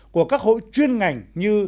của các hội chuyên ngành như